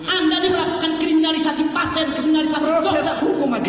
anda ini melakukan kriminalisasi pasien kriminalisasi dokter